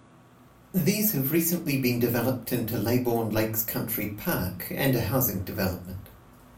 These have recently been developed into Leybourne Lakes Country Park, and a housing development.